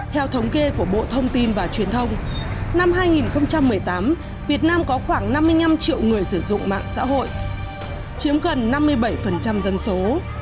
theo thống kê của bộ thông tin và truyền thông năm hai nghìn một mươi tám việt nam có khoảng năm mươi năm triệu người sử dụng mạng xã hội chiếm gần năm mươi bảy dân số